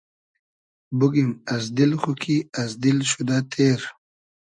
بوگیم از دیل خو کی از دیل شودۂ تېر